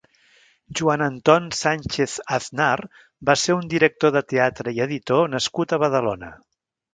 Joan Anton Sànchez Aznar va ser un director de teatre i editor nascut a Badalona.